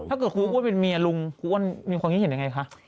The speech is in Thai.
ถ้าเกิดครูก็ว่าเป็นเมียลุงครูก็มีความคิดเห็นอย่างไรคะ